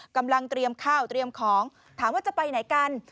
กำลังเตรียมข้าวเตรียมของถามว่าจะไปไหนกัน